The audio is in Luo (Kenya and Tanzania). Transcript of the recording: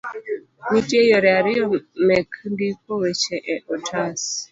Nitie yore ariyo mek ndiko weche e otas